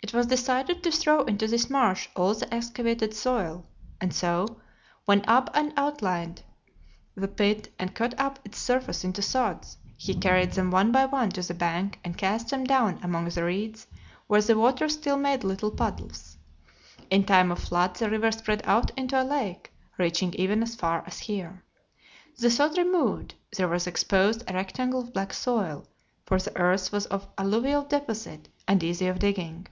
It was decided to throw into this marsh all the excavated soil, and so, when Ab had outlined the pit and cut up its surface into sods, he carried them one by one to the bank and cast them down among the reeds where the water still made little puddles. In time of flood the river spread out into a lake, reaching even as far as here. The sod removed, there was exposed a rectangle of black soil, for the earth was of alluvial deposit and easy of digging.